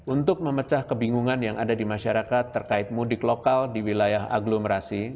untuk memecah kebingungan yang ada di masyarakat terkait mudik lokal di wilayah aglomerasi